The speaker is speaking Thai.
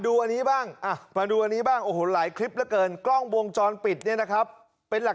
แล้วเขาถึงกดดันแบบนั้นแล้วก็คอยเหมือนกันว่า